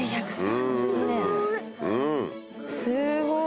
すごい。